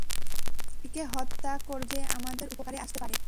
একে হত্যা করবে না, সে আমাদের উপকারে আসতে পারে।